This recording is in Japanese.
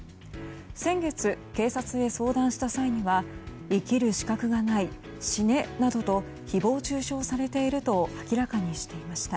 先月、警察に相談した際には生きる資格がない死ねなどと誹謗中傷されていると明らかにしていました。